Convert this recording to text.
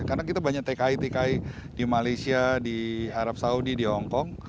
karena kita banyak tki tki di malaysia di arab saudi di hongkong